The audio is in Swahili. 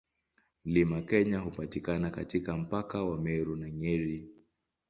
Mlima Kenya hupatikana katika mpaka wa Meru na Nyeri.